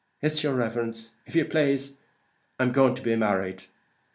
"Iss, yer riverence; if ye plaze, I am going to be married."